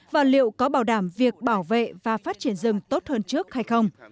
và liệu có bảo đảm việc bảo vệ và phát triển rừng tốt hơn trước hay không